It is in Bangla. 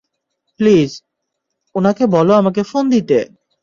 প্লিজ, উনাকে বলো আমাকে ফোন দিতে!